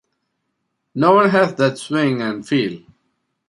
No one has that swing and feel.